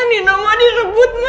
nino mau direbut ma